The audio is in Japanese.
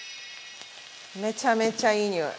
めちゃめちゃいい匂い。